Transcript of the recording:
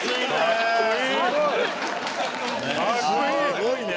すごいね。